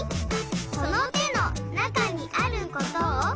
「その手の中にあることを」